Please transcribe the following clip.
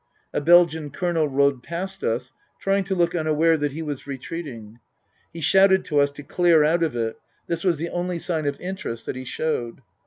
A Belgian Colonel rode past us, trying to look unaware that he was retreating. He shouted to us to clear out of it. This was the only sign of interest that he showed.